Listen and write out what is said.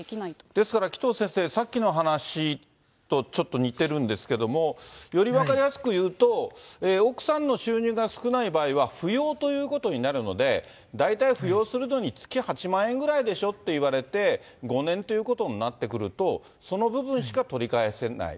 ですから紀藤先生、さっきの話とちょっと似てるんですけれども、より分かりやすく言うと、奥さんの収入が少ない場合は扶養ということになるので、大体扶養するのに月８万円ぐらいでしょって言われて、５年ということになってくると、その部分しか取り返せない。